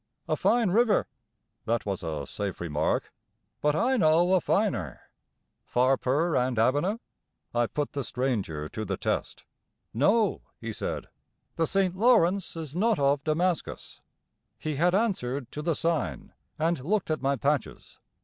"A fine river," That was a safe remark. "But I know a finer." "Pharpar and Abana?" I put the stranger to the test. "No," he said. "The St. Lawrence is not of Damascus." He had answered to the sign, and looked at my patches.